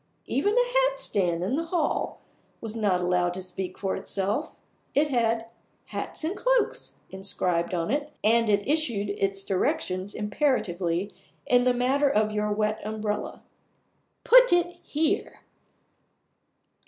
Even the hat stand in the hall was not allowed to speak for itself; it had "Hats and Cloaks" inscribed on it, and it issued its directions imperatively in the matter of your wet umbrella "Put it here!"